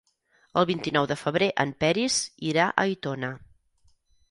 El vint-i-nou de febrer en Peris irà a Aitona.